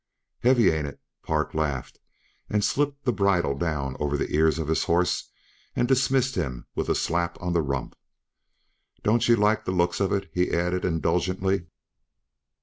"Heavy, ain't it?" Park laughed, and slipped the bridle down over the ears of his horse and dismissed him with a slap on the rump. "Don't yuh like the looks of it?" he added indulgently.